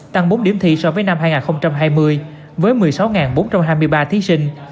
tăng bốn điểm thi so với năm hai nghìn hai mươi với một mươi sáu bốn trăm hai mươi ba thí sinh